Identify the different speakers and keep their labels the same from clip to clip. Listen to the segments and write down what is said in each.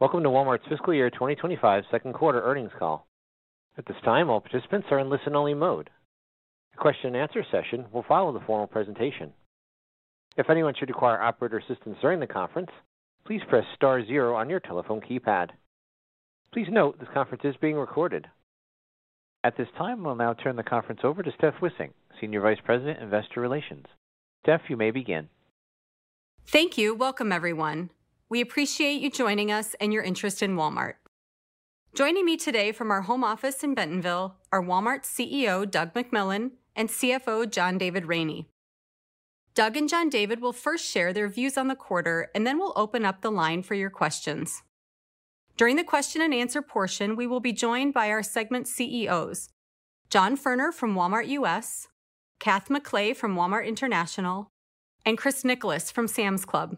Speaker 1: Welcome to Walmart's fiscal year 2025 second quarter earnings call. At this time, all participants are in listen-only mode. A question-and-answer session will follow the formal presentation. If anyone should require operator assistance during the conference, please press star zero on your telephone keypad. Please note, this conference is being recorded. At this time, we'll now turn the conference over to Steph Wissink, Senior Vice President, Investor Relations. Steph, you may begin.
Speaker 2: Thank you. Welcome, everyone. We appreciate you joining us and your interest in Walmart. Joining me today from our home office in Bentonville are Walmart CEO, Doug McMillon, and CFO, John David Rainey. Doug and John David will first share their views on the quarter, and then we'll open up the line for your questions. During the question-and-answer portion, we will be joined by our segment CEOs, John Furner from Walmart U.S., Kath McLay from Walmart International, and Chris Nicholas from Sam's Club.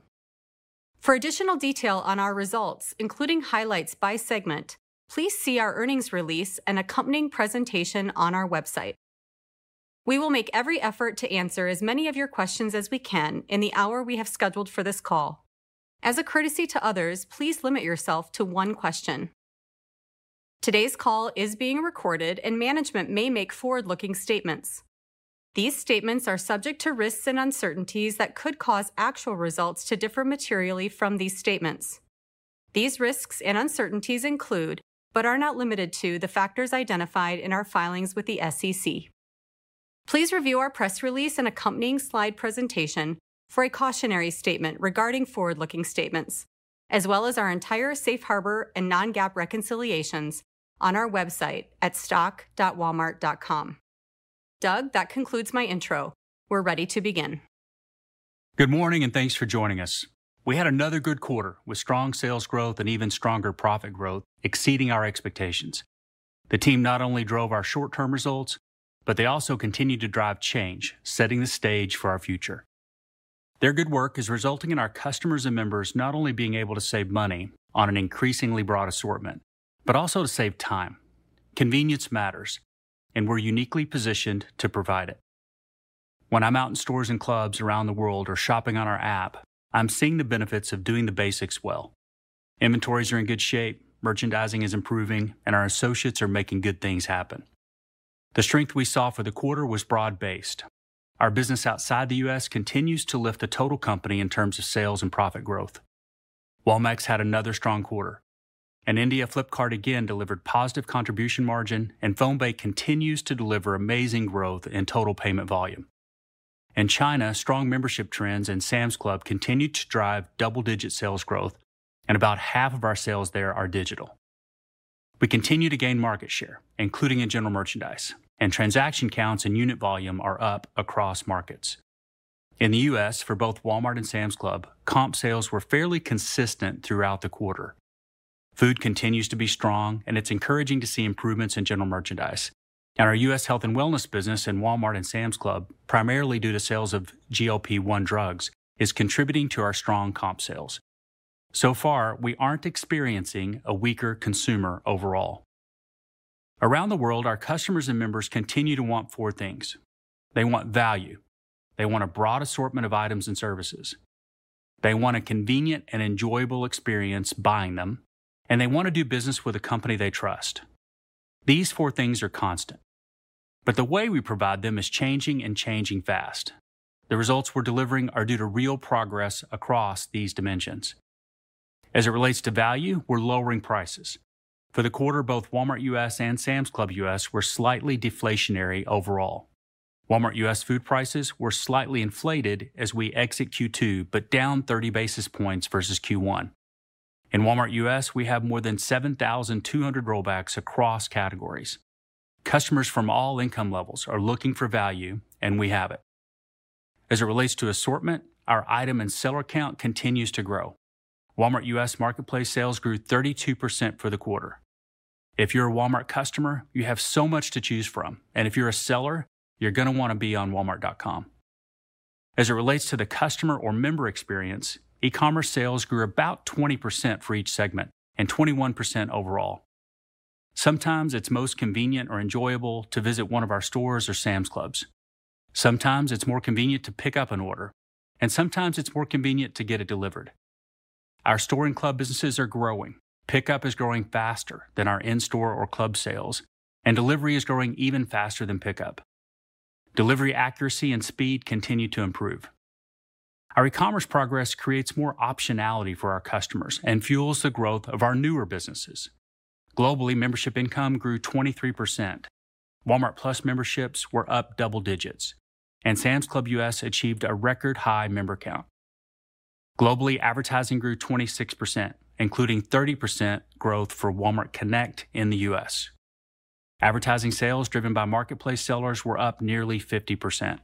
Speaker 2: For additional detail on our results, including highlights by segment, please see our earnings release and accompanying presentation on our website. We will make every effort to answer as many of your questions as we can in the hour we have scheduled for this call. As a courtesy to others, please limit yourself to one question. Today's call is being recorded, and management may make forward-looking statements. These statements are subject to risks and uncertainties that could cause actual results to differ materially from these statements. These risks and uncertainties include, but are not limited to, the factors identified in our filings with the SEC. Please review our press release and accompanying slide presentation for a cautionary statement regarding forward-looking statements, as well as our entire safe harbor and non-GAAP reconciliations on our website at stock.walmart.com. Doug, that concludes my intro. We're ready to begin.
Speaker 3: Good morning, and thanks for joining us. We had another good quarter, with strong sales growth and even stronger profit growth, exceeding our expectations. The team not only drove our short-term results, but they also continued to drive change, setting the stage for our future. Their good work is resulting in our customers and members not only being able to save money on an increasingly broad assortment, but also to save time. Convenience matters, and we're uniquely positioned to provide it. When I'm out in stores and clubs around the world or shopping on our app, I'm seeing the benefits of doing the basics well. Inventories are in good shape, merchandising is improving, and our associates are making good things happen. The strength we saw for the quarter was broad-based. Our business outside the U.S. continues to lift the total company in terms of sales and profit growth. Walmex had another strong quarter, and India Flipkart again delivered positive contribution margin, and PhonePe continues to deliver amazing growth in total payment volume. In China, strong membership trends in Sam's Club continued to drive double-digit sales growth, and about half of our sales there are digital. We continue to gain market share, including in general merchandise, and transaction counts and unit volume are up across markets. In the U.S., for both Walmart and Sam's Club, comp sales were fairly consistent throughout the quarter. Food continues to be strong, and it's encouraging to see improvements in general merchandise. Our U.S. Health & Wellness business in Walmart and Sam's Club, primarily due to sales of GLP-1 drugs, is contributing to our strong comp sales. So far, we aren't experiencing a weaker consumer overall. Around the world, our customers and members continue to want four things: They want value, they want a broad assortment of items and services, they want a convenient and enjoyable experience buying them, and they want to do business with a company they trust. These four things are constant, but the way we provide them is changing and changing fast. The results we're delivering are due to real progress across these dimensions. As it relates to value, we're lowering prices. For the quarter, both Walmart U.S. and Sam's Club U.S. were slightly deflationary overall. Walmart U.S. food prices were slightly inflated as we exit Q2, but down 30 basis points versus Q1. In Walmart U.S., we have more than 7,200 rollbacks across categories. Customers from all income levels are looking for value, and we have it. As it relates to assortment, our item and seller count continues to grow. Walmart U.S. Marketplace sales grew 32% for the quarter. If you're a Walmart customer, you have so much to choose from, and if you're a seller, you're gonna wanna be on Walmart.com. As it relates to the customer or member experience, e-commerce sales grew about 20% for each segment and 21% overall. Sometimes it's most convenient or enjoyable to visit one of our stores or Sam's Clubs. Sometimes it's more convenient to pick up an order, and sometimes it's more convenient to get it delivered. Our store and club businesses are growing. Pickup is growing faster than our in-store or club sales, and delivery is growing even faster than pickup. Delivery accuracy and speed continue to improve. Our e-commerce progress creates more optionality for our customers and fuels the growth of our newer businesses. Globally, membership income grew 23%. Walmart+ memberships were up double digits, and Sam's Club U.S. achieved a record-high member count. Globally, advertising grew 26%, including 30% growth for Walmart Connect in the U.S. Advertising sales, driven by marketplace sellers, were up nearly 50%.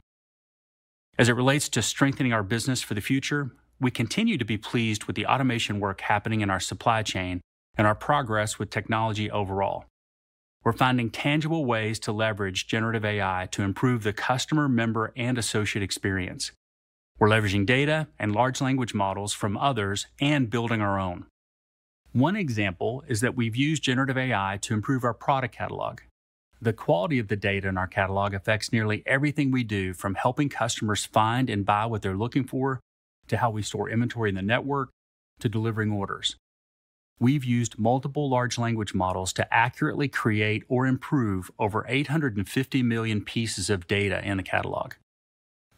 Speaker 3: As it relates to strengthening our business for the future, we continue to be pleased with the automation work happening in our supply chain and our progress with technology overall. We're finding tangible ways to leverage generative AI to improve the customer, member, and associate experience. We're leveraging data and large language models from others and building our own. One example is that we've used generative AI to improve our product catalog. The quality of the data in our catalog affects nearly everything we do, from helping customers find and buy what they're looking for, to how we store inventory in the network, to delivering orders. We've used multiple large language models to accurately create or improve over 850 million pieces of data in the catalog.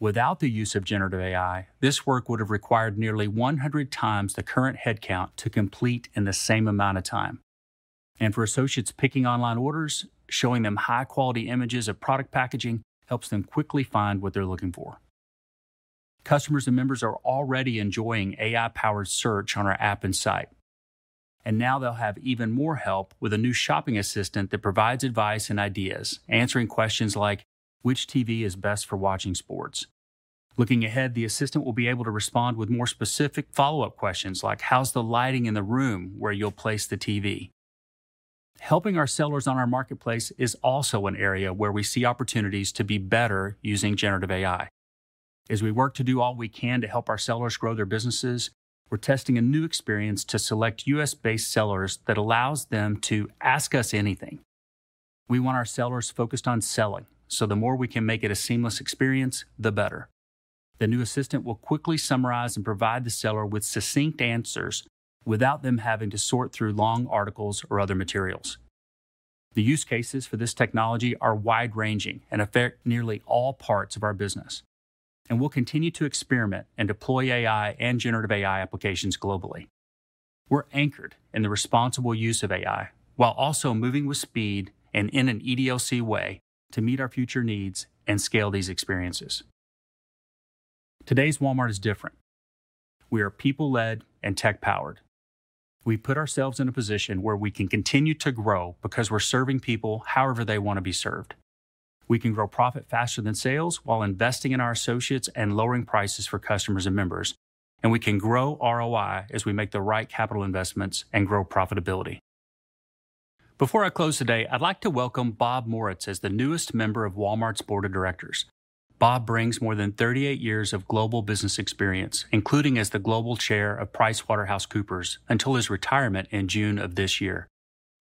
Speaker 3: Without the use of generative AI, this work would have required nearly 100x the current headcount to complete in the same amount of time. And for associates picking online orders, showing them high-quality images of product packaging helps them quickly find what they're looking for. Customers and members are already enjoying AI-powered search on our app and site, and now they'll have even more help with a new shopping assistant that provides advice and ideas, answering questions like, "Which TV is best for watching sports?" Looking ahead, the assistant will be able to respond with more specific follow-up questions like, "How's the lighting in the room where you'll place the TV?" Helping our sellers on our Marketplace is also an area where we see opportunities to be better using generative AI. As we work to do all we can to help our sellers grow their businesses, we're testing a new experience to select U.S.-based sellers that allows them to ask us anything. We want our sellers focused on selling, so the more we can make it a seamless experience, the better. The new assistant will quickly summarize and provide the seller with succinct answers without them having to sort through long articles or other materials. The use cases for this technology are wide-ranging and affect nearly all parts of our business, and we'll continue to experiment and deploy AI and generative AI applications globally. We're anchored in the responsible use of AI, while also moving with speed and in an EDLC way to meet our future needs and scale these experiences. Today's Walmart is different. We are people-led and tech-powered. We've put ourselves in a position where we can continue to grow because we're serving people however they want to be served. We can grow profit faster than sales while investing in our associates and lowering prices for customers and members, and we can grow ROI as we make the right capital investments and grow profitability. Before I close today, I'd like to welcome Bob Moritz as the newest member of Walmart's Board of Directors. Bob brings more than 38 years of global business experience, including as the Global Chair of PricewaterhouseCoopers, until his retirement in June of this year.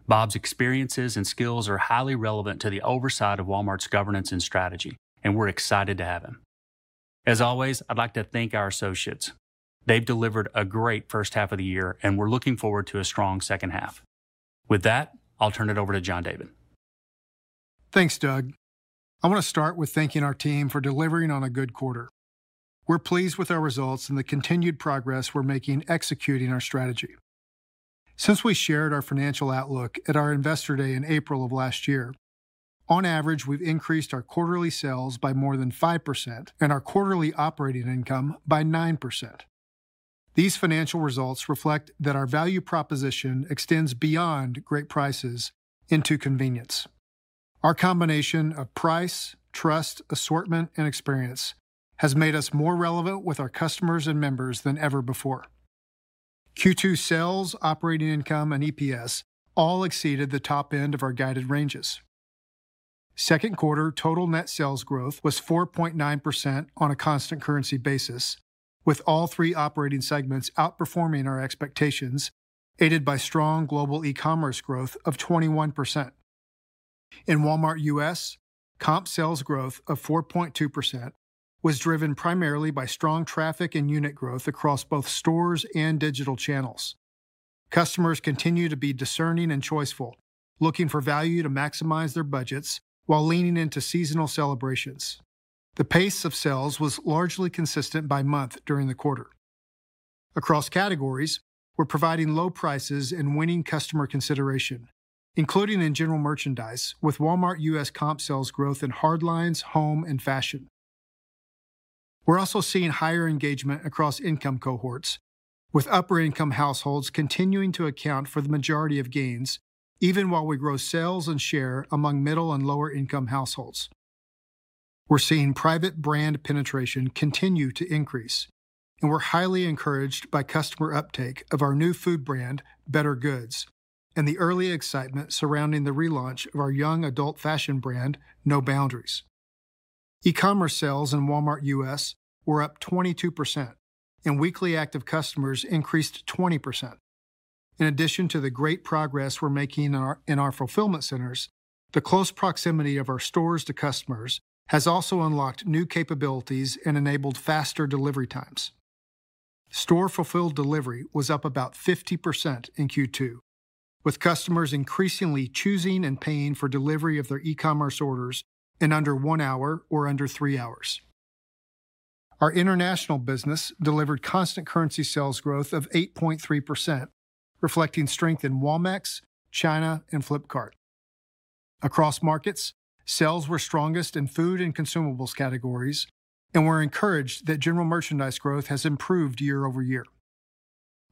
Speaker 3: Bob's experiences and skills are highly relevant to the oversight of Walmart's governance and strategy, and we're excited to have him. As always, I'd like to thank our associates. They've delivered a great first half of the year, and we're looking forward to a strong second half. With that, I'll turn it over to John David.
Speaker 4: Thanks, Doug. I want to start with thanking our team for delivering on a good quarter. We're pleased with our results and the continued progress we're making executing our strategy. Since we shared our financial outlook at our Investor Day in April of last year, on average, we've increased our quarterly sales by more than 5% and our quarterly operating income by 9%. These financial results reflect that our value proposition extends beyond great prices into convenience. Our combination of price, trust, assortment, and experience has made us more relevant with our customers and members than ever before. Q2 sales, operating income, and EPS all exceeded the top end of our guided ranges. Second quarter total net sales growth was 4.9% on a constant currency basis, with all three operating segments outperforming our expectations, aided by strong global e-commerce growth of 21%. In Walmart U.S., comp sales growth of 4.2% was driven primarily by strong traffic and unit growth across both stores and digital channels. Customers continue to be discerning and choiceful, looking for value to maximize their budgets while leaning into seasonal celebrations. The pace of sales was largely consistent by month during the quarter. Across categories, we're providing low prices and winning customer consideration, including in general merchandise, with Walmart U.S. comp sales growth in hardlines, home, and fashion. We're also seeing higher engagement across income cohorts, with upper income households continuing to account for the majority of gains, even while we grow sales and share among middle- and lower-income households. We're seeing private brand penetration continue to increase, and we're highly encouraged by customer uptake of our new food brand, bettergoods, and the early excitement surrounding the relaunch of our young adult fashion brand, No Boundaries. E-commerce sales in Walmart U.S. were up 22%, and weekly active customers increased 20%. In addition to the great progress we're making in our fulfillment centers, the close proximity of our stores to customers has also unlocked new capabilities and enabled faster delivery times. Store-fulfilled delivery was up about 50% in Q2, with customers increasingly choosing and paying for delivery of their e-commerce orders in under one hour or under three hours. Our international business delivered constant currency sales growth of 8.3%, reflecting strength in Walmex, China, and Flipkart. Across markets, sales were strongest in food and consumables categories, and we're encouraged that general merchandise growth has improved year-over-year.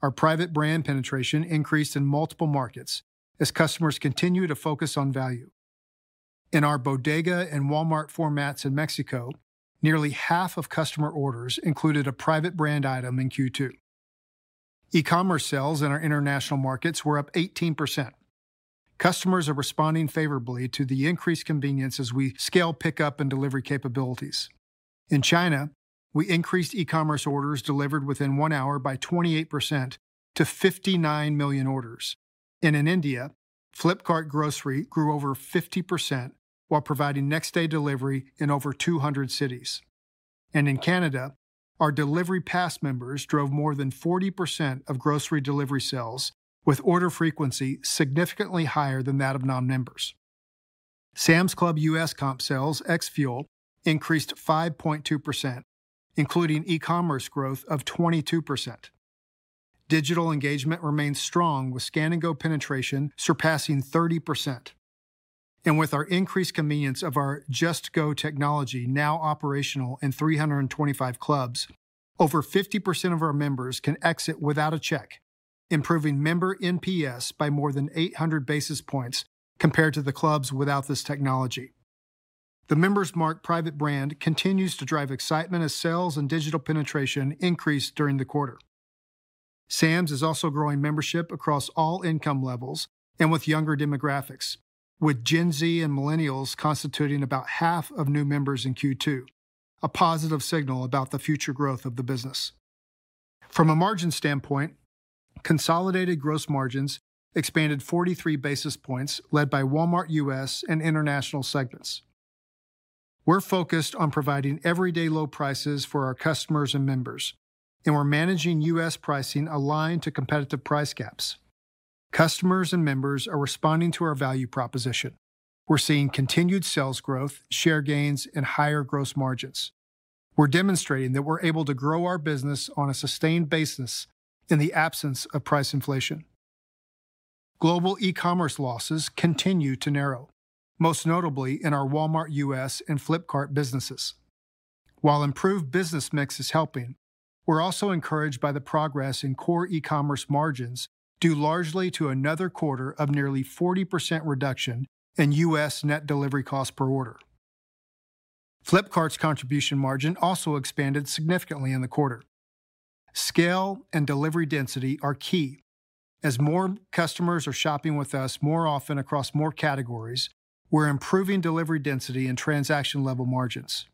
Speaker 4: Our private brand penetration increased in multiple markets as customers continue to focus on value. In our Bodega and Walmart formats in Mexico, nearly half of customer orders included a private brand item in Q2. E-commerce sales in our international markets were up 18%. Customers are responding favorably to the increased convenience as we scale pickup and delivery capabilities. In China, we increased e-commerce orders delivered within one hour by 28% to 59 million orders. In India, Flipkart Grocery grew over 50% while providing next-day delivery in over 200 cities. In Canada, our Delivery Pass members drove more than 40% of grocery delivery sales, with order frequency significantly higher than that of non-members. Sam's Club U.S. comp sales, ex-fuel, increased 5.2%, including e-commerce growth of 22%. Digital engagement remains strong, with Scan & Go penetration surpassing 30%. And with our increased convenience of our Just Go technology now operational in 325 clubs, over 50% of our members can exit without a check, improving member NPS by more than 800 basis points compared to the clubs without this technology. The Member's Mark private brand continues to drive excitement as sales and digital penetration increased during the quarter. Sam's is also growing membership across all income levels and with younger demographics, with Gen Z and millennials constituting about half of new members in Q2, a positive signal about the future growth of the business. From a margin standpoint, consolidated gross margins expanded 43 basis points, led by Walmart U.S. and International segments. We're focused on providing everyday low prices for our customers and members, and we're managing U.S. pricing aligned to competitive price gaps. Customers and members are responding to our value proposition. We're seeing continued sales growth, share gains, and higher gross margins. We're demonstrating that we're able to grow our business on a sustained basis in the absence of price inflation. Global e-commerce losses continue to narrow, most notably in our Walmart U.S. and Flipkart businesses. While improved business mix is helping, we're also encouraged by the progress in core e-commerce margins, due largely to another quarter of nearly 40% reduction in U.S. net delivery costs per order. Flipkart's contribution margin also expanded significantly in the quarter. Scale and delivery density are key. As more customers are shopping with us more often across more categories, we're improving delivery density and transaction-level margins.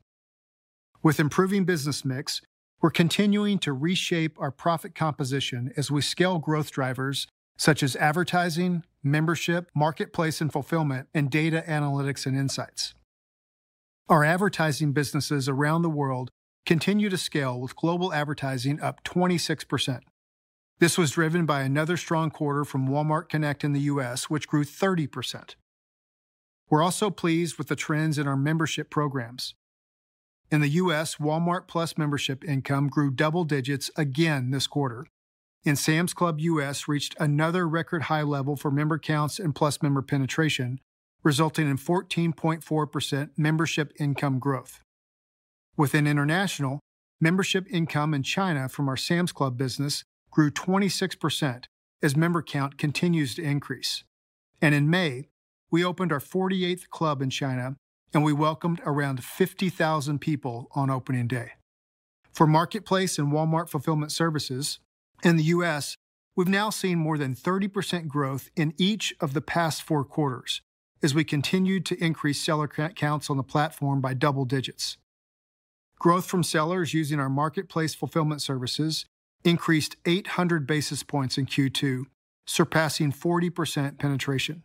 Speaker 4: With improving business mix, we're continuing to reshape our profit composition as we scale growth drivers such as advertising, membership, marketplace and fulfillment, and data analytics and insights. Our advertising businesses around the world continue to scale, with global advertising up 26%. This was driven by another strong quarter from Walmart Connect in the U.S., which grew 30%. We're also pleased with the trends in our membership programs. In the U.S., Walmart+ membership income grew double digits again this quarter, and Sam's Club U.S. reached another record high level for member counts and Walmart+ member penetration, resulting in 14.4% membership income growth. Within International, membership income in China from our Sam's Club business grew 26% as member count continues to increase. In May, we opened our 48th club in China, and we welcomed around 50,000 people on opening day. For Marketplace and Walmart Fulfillment Services, in the U.S., we've now seen more than 30% growth in each of the past four quarters as we continued to increase seller counts on the platform by double digits. Growth from sellers using our Marketplace Fulfillment Services increased 800 basis points in Q2, surpassing 40% penetration.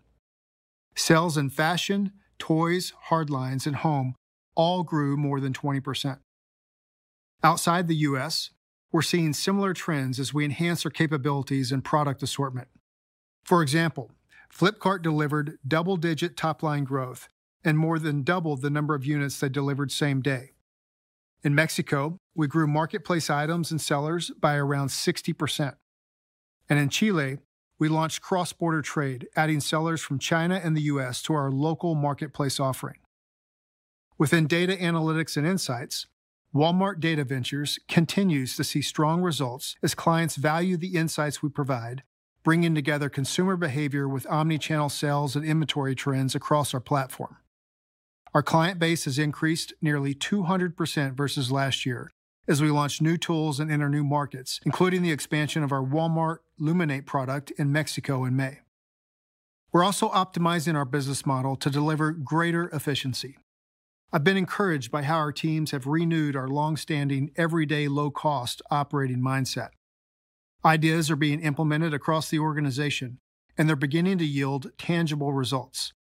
Speaker 4: Sales in fashion, toys, hardlines, and home all grew more than 20%. Outside the U.S., we're seeing similar trends as we enhance our capabilities and product assortment. For example, Flipkart delivered double-digit top-line growth and more than doubled the number of units they delivered same day. In Mexico, we grew marketplace items and sellers by around 60%. In Chile, we launched cross-border trade, adding sellers from China and the U.S. to our local marketplace offering. Within data analytics and insights, Walmart Data Ventures continues to see strong results as clients value the insights we provide, bringing together consumer behavior with omnichannel sales and inventory trends across our platform. Our client base has increased nearly 200% versus last year as we launch new tools and enter new markets, including the expansion of our Walmart Luminate product in Mexico in May. We're also optimizing our business model to deliver greater efficiency. I've been encouraged by how our teams have renewed our long-standing, every day, low-cost operating mindset. Ideas are being implemented across the organization, and they're beginning to yield tangible results.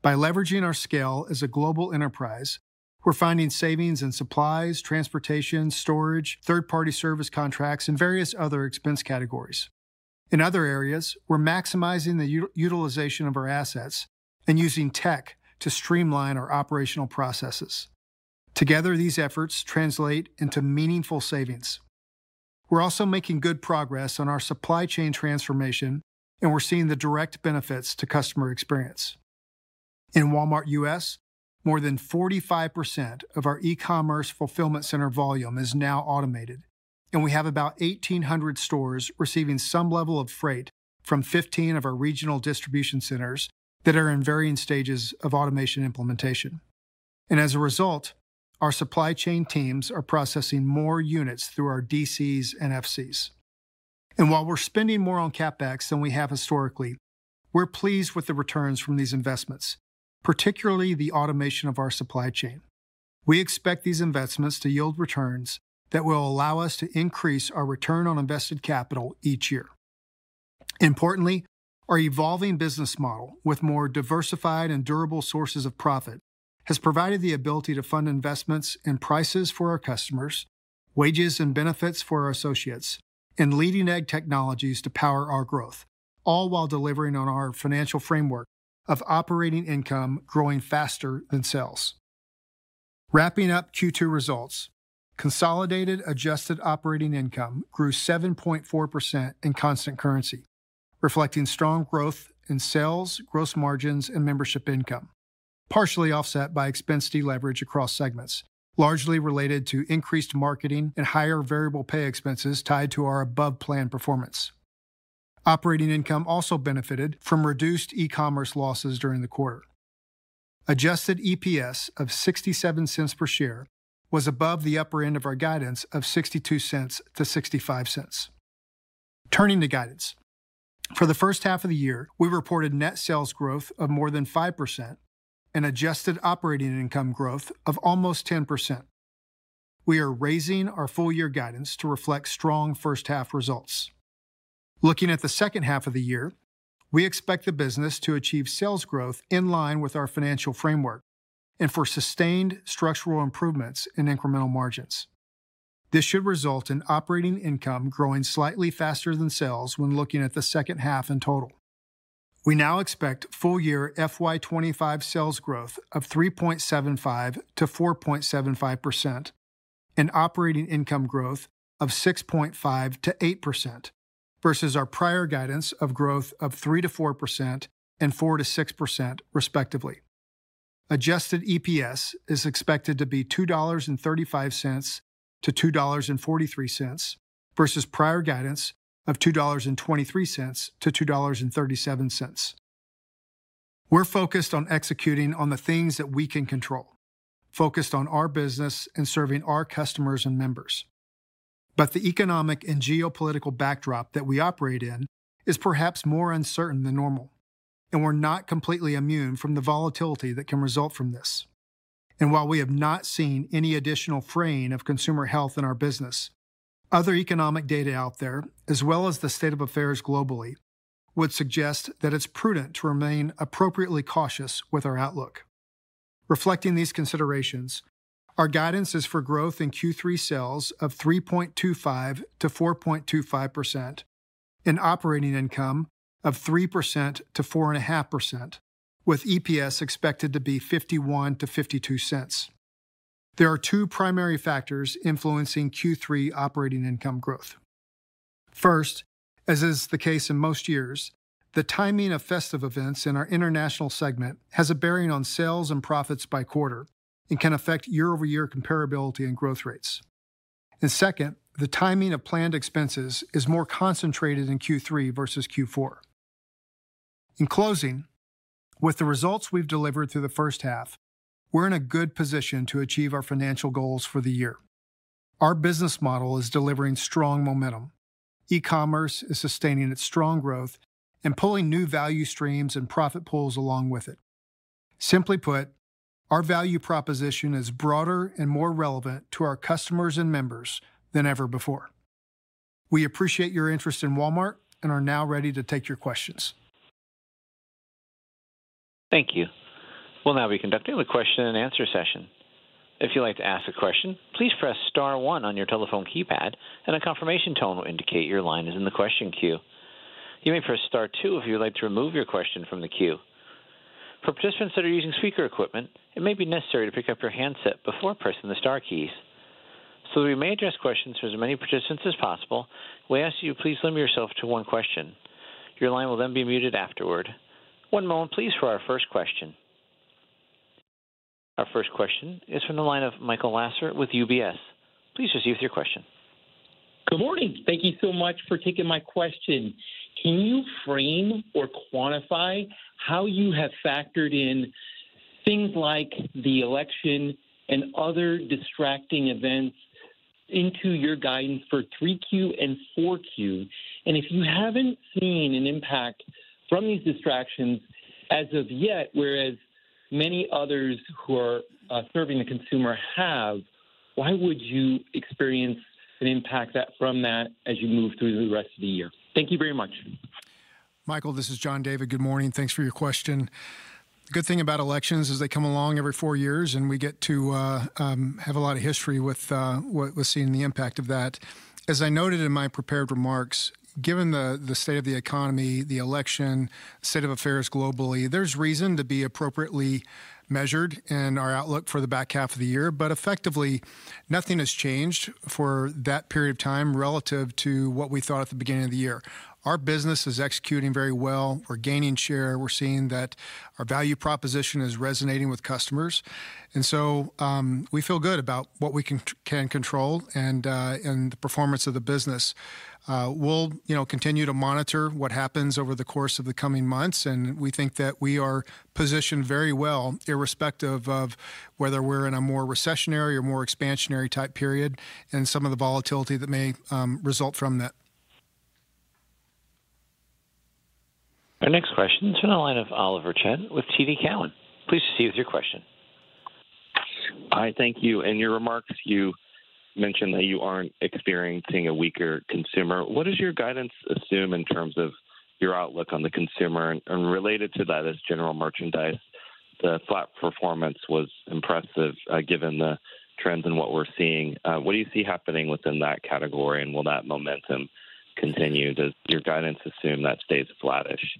Speaker 4: By leveraging our scale as a global enterprise, we're finding savings in supplies, transportation, storage, third-party service contracts, and various other expense categories. In other areas, we're maximizing the utilization of our assets and using tech to streamline our operational processes. Together, these efforts translate into meaningful savings. We're also making good progress on our supply chain transformation, and we're seeing the direct benefits to customer experience. In Walmart U.S., more than 45% of our e-commerce fulfillment center volume is now automated, and we have about 1,800 stores receiving some level of freight from 15 of our regional distribution centers that are in varying stages of automation implementation. And as a result, our supply chain teams are processing more units through our DCs and FCs. And while we're spending more on CapEx than we have historically, we're pleased with the returns from these investments, particularly the automation of our supply chain. We expect these investments to yield returns that will allow us to increase our return on invested capital each year. Importantly, our evolving business model, with more diversified and durable sources of profit, has provided the ability to fund investments in prices for our customers, wages and benefits for our associates, and leading-edge technologies to power our growth, all while delivering on our financial framework of operating income growing faster than sales. Wrapping up Q2 results, consolidated adjusted operating income grew 7.4% in constant currency, reflecting strong growth in sales, gross margins, and membership income, partially offset by expense deleverage across segments, largely related to increased marketing and higher variable pay expenses tied to our above-plan performance. Operating income also benefited from reduced e-commerce losses during the quarter. Adjusted EPS of $0.67 per share was above the upper end of our guidance of $0.62-$0.65. Turning to guidance. For the first half of the year, we reported net sales growth of more than 5% and adjusted operating income growth of almost 10%. We are raising our full-year guidance to reflect strong first-half results. Looking at the second half of the year, we expect the business to achieve sales growth in line with our financial framework and for sustained structural improvements in incremental margins. This should result in operating income growing slightly faster than sales when looking at the second half in total. We now expect full-year FY 2025 sales growth of 3.75%-4.75% and operating income growth of 6.5%-8% versus our prior guidance of growth of 3%-4% and 4%-6%, respectively. Adjusted EPS is expected to be $2.35-$2.43 versus prior guidance of $2.23-$2.37. We're focused on executing on the things that we can control, focused on our business and serving our customers and members. But the economic and geopolitical backdrop that we operate in is perhaps more uncertain than normal, and we're not completely immune from the volatility that can result from this. And while we have not seen any additional fraying of consumer health in our business, other economic data out there, as well as the state of affairs globally, would suggest that it's prudent to remain appropriately cautious with our outlook. Reflecting these considerations, our guidance is for growth in Q3 sales of 3.25%-4.25% and operating income of 3%-4.5%, with EPS expected to be $0.51-$0.52. There are two primary factors influencing Q3 operating income growth. First, as is the case in most years, the timing of festive events in our international segment has a bearing on sales and profits by quarter and can affect year-over-year comparability and growth rates. Second, the timing of planned expenses is more concentrated in Q3 versus Q4. In closing, with the results we've delivered through the first half, we're in a good position to achieve our financial goals for the year. Our business model is delivering strong momentum. E-commerce is sustaining its strong growth and pulling new value streams and profit pools along with it. Simply put, our value proposition is broader and more relevant to our customers and members than ever before. We appreciate your interest in Walmart and are now ready to take your questions.
Speaker 1: Thank you. We'll now be conducting a question-and-answer session. If you'd like to ask a question, please press star one on your telephone keypad, and a confirmation tone will indicate your line is in the question queue. You may press star two if you'd like to remove your question from the queue. For participants that are using speaker equipment, it may be necessary to pick up your handset before pressing the star keys. So, we may address questions to as many participants as possible, we ask you please limit yourself to one question. Your line will then be muted afterward. One moment, please, for our first question. Our first question is from the line of Michael Lasser with UBS. Please proceed with your question.
Speaker 5: Good morning. Thank you so much for taking my question. Can you frame or quantify how you have factored in things like the election and other distracting events into your guidance for 3Q and 4Q? And if you haven't seen an impact from these distractions as of yet, whereas many others who are serving the consumer have, why would you experience an impact from that as you move through the rest of the year? Thank you very much.
Speaker 4: Michael, this is John David. Good morning. Thanks for your question. Good thing about elections is they come along every four years, and we get to have a lot of history with seeing the impact of that. As I noted in my prepared remarks, given the state of the economy, the election, state of affairs globally, there's reason to be appropriately measured in our outlook for the back half of the year, but effectively, nothing has changed for that period of time relative to what we thought at the beginning of the year. Our business is executing very well. We're gaining share. We're seeing that our value proposition is resonating with customers, and so, we feel good about what we can control and the performance of the business. We'll, you know, continue to monitor what happens over the course of the coming months, and we think that we are positioned very well, irrespective of whether we're in a more recessionary or more expansionary type period and some of the volatility that may result from that.
Speaker 1: Our next question is in the line of Oliver Chen with TD Cowen. Please proceed with your question.
Speaker 6: Hi, thank you. In your remarks, you mentioned that you aren't experiencing a weaker consumer. What does your guidance assume in terms of your outlook on the consumer? And related to that, as general merchandise, the flat performance was impressive, given the trends in what we're seeing. What do you see happening within that category, and will that momentum continue? Does your guidance assume that stays flattish?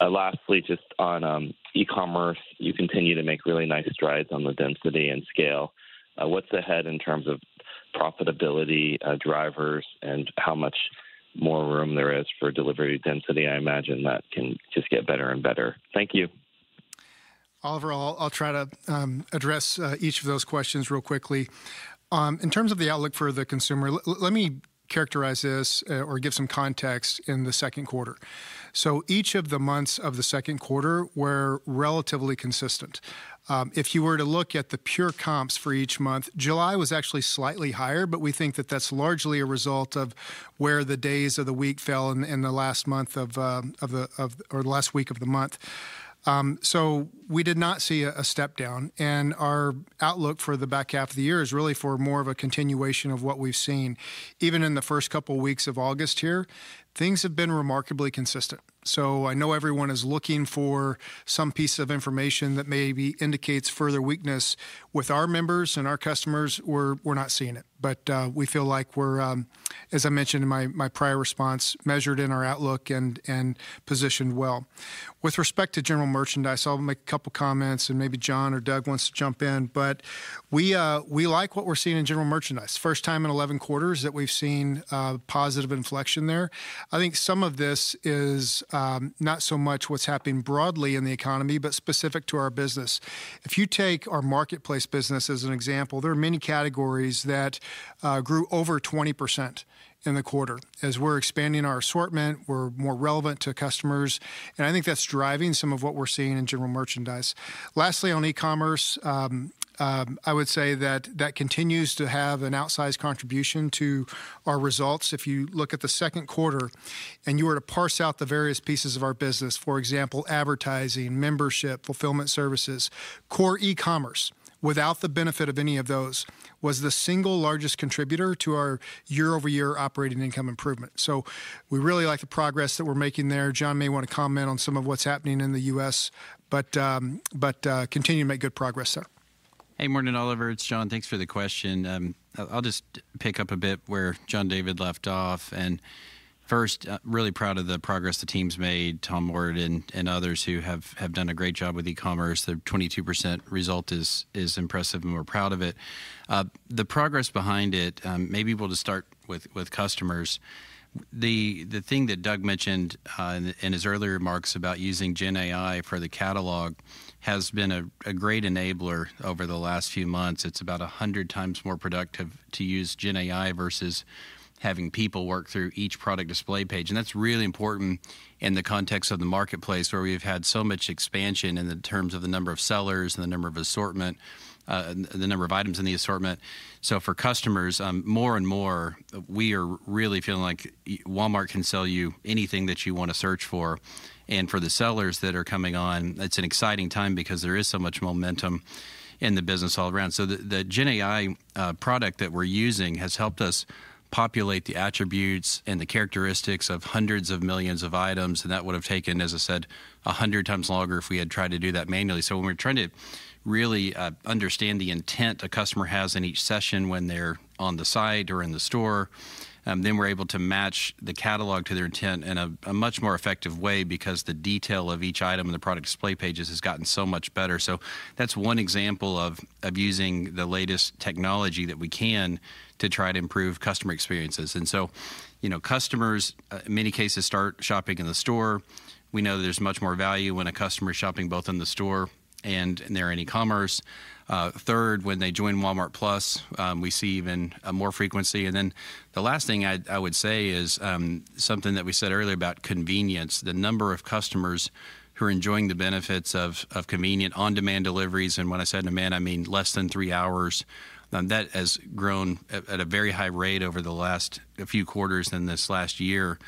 Speaker 6: Lastly, just on e-commerce, you continue to make really nice strides on the density and scale. What's ahead in terms of profitability drivers, and how much more room there is for delivery density? I imagine that can just get better and better. Thank you.
Speaker 4: Oliver, I'll try to address each of those questions real quickly. In terms of the outlook for the consumer, let me characterize this or give some context in the second quarter. So each of the months of the second quarter were relatively consistent. If you were to look at the pure comps for each month, July was actually slightly higher, but we think that that's largely a result of where the days of the week fell in the last week of the month. So we did not see a step down, and our outlook for the back half of the year is really for more of a continuation of what we've seen. Even in the first couple weeks of August here, things have been remarkably consistent. So I know everyone is looking for some piece of information that maybe indicates further weakness. With our members and our customers, we're not seeing it. But we feel like we're, as I mentioned in my prior response, measured in our outlook and positioned well. With respect to general merchandise, I'll make a couple comments, and maybe John or Doug wants to jump in, but we like what we're seeing in general merchandise. First time in 11 quarters that we've seen positive inflection there. I think some of this is not so much what's happening broadly in the economy, but specific to our business. If you take our marketplace business as an example, there are many categories that grew over 20% in the quarter. As we're expanding our assortment, we're more relevant to customers, and I think that's driving some of what we're seeing in general merchandise. Lastly, on e-commerce, I would say that that continues to have an outsized contribution to our results. If you look at the second quarter and you were to parse out the various pieces of our business, for example, advertising, membership, fulfillment services, core e-commerce, without the benefit of any of those, was the single largest contributor to our year-over-year operating income improvement. So we really like the progress that we're making there. John may want to comment on some of what's happening in the U.S., but continuing to make good progress, so.
Speaker 7: Hey, morning, Oliver. It's John. Thanks for the question. I'll just pick up a bit where John David left off, and first, really proud of the progress the team's made, Tom Ward and others who have done a great job with e-commerce. The 22% result is impressive, and we're proud of it. The progress behind it, maybe we'll just start with customers. The thing that Doug mentioned in his earlier remarks about using Gen AI for the catalog has been a great enabler over the last few months. It's about 100x more productive to use Gen AI versus having people work through each product display page, and that's really important in the context of the marketplace, where we've had so much expansion in the terms of the number of sellers and the number of assortment, the number of items in the assortment. So for customers, more and more, we are really feeling like Walmart can sell you anything that you want to search for. And for the sellers that are coming on, it's an exciting time because there is so much momentum in the business all around. So the Gen AI product that we're using has helped us populate the attributes and the characteristics of hundreds of millions of items, and that would have taken, as I said, 100x longer if we had tried to do that manually. So when we're trying to really understand the intent a customer has in each session when they're on the site or in the store, then we're able to match the catalog to their intent in a much more effective way because the detail of each item and the product display pages has gotten so much better. So that's one example of using the latest technology that we can to try to improve customer experiences. And so, you know, customers in many cases start shopping in the store. We know there's much more value when a customer is shopping both in the store and they're in e-commerce. Third, when they join Walmart+, we see even more frequency. And then the last thing I would say is something that we said earlier about convenience. The number of customers who are enjoying the benefits of convenient on-demand deliveries, and when I say on-demand, I mean less than three hours, that has grown at a very high rate over the last few quarters in this last year.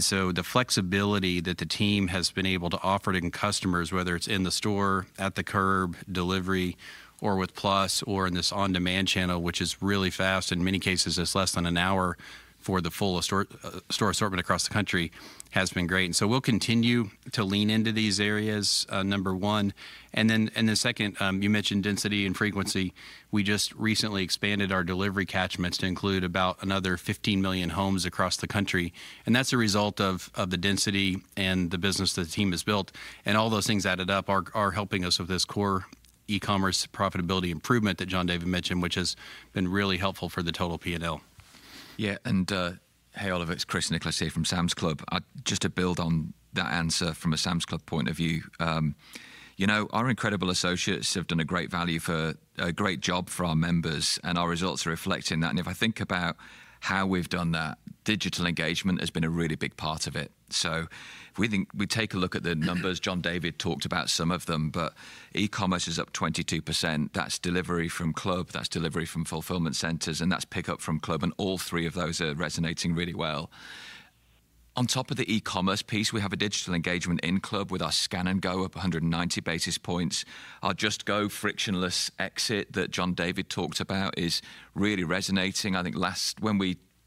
Speaker 7: So the flexibility that the team has been able to offer to customers, whether it's in the store, at the curb, delivery, or with Walmart+, or in this on-demand channel, which is really fast, in many cases, it's less than an hour for the full store assortment across the country, has been great. So we'll continue to lean into these areas, number one, and then the second, you mentioned density and frequency. We just recently expanded our delivery catchments to include about another 15 million homes across the country, and that's a result of the density and the business the team has built. All those things added up are helping us with this core e-commerce profitability improvement that John David mentioned, which has been really helpful for the total P&L.
Speaker 8: Yeah, and hey, Oliver, it's Chris Nicholas here from Sam's Club. Just to build on that answer from a Sam's Club point of view, you know, our incredible associates have done a great job for our members, and our results are reflecting that. And if I think about how we've done that, digital engagement has been a really big part of it. We take a look at the numbers, John David talked about some of them, but e-commerce is up 22%. That's delivery from Club, that's delivery from fulfillment centers, and that's pickup from Club, and all three of those are resonating really well. On top of the e-commerce piece, we have a digital engagement in club with our Scan & Go up 190 basis points. Our Just Go frictionless exit that John David talked about is really resonating. I think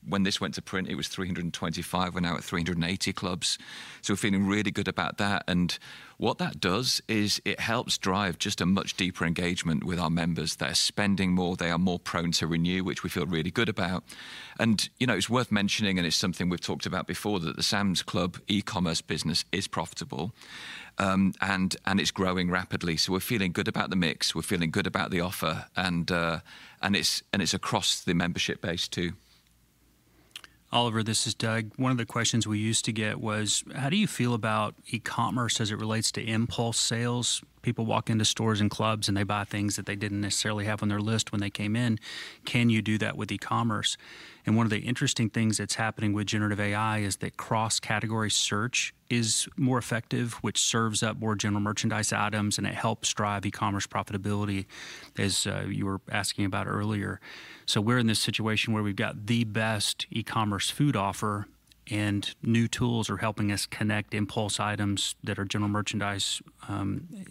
Speaker 8: when this went to print, it was 325, we're now at 380 clubs. So we're feeling really good about that. And what that does is it helps drive just a much deeper engagement with our members. They're spending more, they are more prone to renew, which we feel really good about. And, you know, it's worth mentioning, and it's something we've talked about before, that the Sam's Club e-commerce business is profitable, and it's growing rapidly. So we're feeling good about the mix, we're feeling good about the offer, and it's across the membership base too.
Speaker 3: Oliver, this is Doug. One of the questions we used to get was: How do you feel about e-commerce as it relates to impulse sales? People walk into stores and clubs, and they buy things that they didn't necessarily have on their list when they came in. Can you do that with e-commerce? And one of the interesting things that's happening with generative AI is that cross-category search is more effective, which serves up more general merchandise items, and it helps drive e-commerce profitability, as, you were asking about earlier. So we're in this situation where we've got the best e-commerce food offer, and new tools are helping us connect impulse items that are general merchandise,